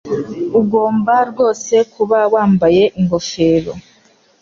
Ugomba rwose kuba wambaye ingofero.